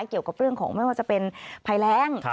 เกี่ยวกับเรื่องของไม่ว่าจะเป็นภัยแรง